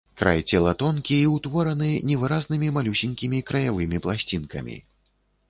Край цела тонкі і ўтвораны невыразнымі, малюсенькімі краявымі пласцінкамі.